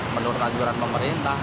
menurut anjuran pemerintah